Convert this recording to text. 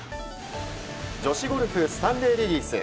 女子ゴルフスタンレーレディス。